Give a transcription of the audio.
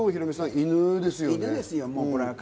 犬ですよ。